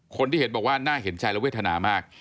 คนที่เห็นบอกว่าน่าเห็นใจและเวทนามาก